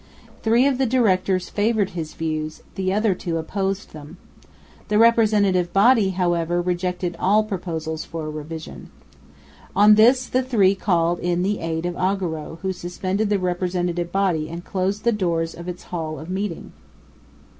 Three of the directors favoured his views, the other two opposed them. The Representative Body, however, rejected all proposals for a revision. On this the three called in the aid of Augereau, who suspended the Representative Body and closed the doors of its hall of meeting.